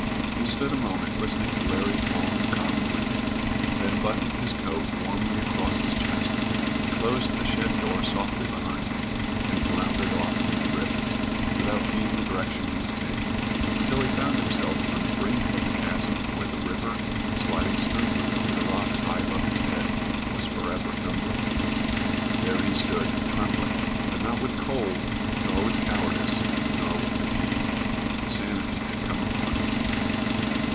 He stood a moment listening to Larry's long, calm breathing; then buttoning his coat warmly across his chest, he closed the shed door softly behind him and floundered off into the drifts, without heeding the direction he was taking, until he found himself on the brink of the chasm where the river, sliding smoothly over the rocks high above his head, was forever tumbling. There he stood, trembling, but not with cold, nor with cowardice, nor with fatigue. Sanity had come upon him.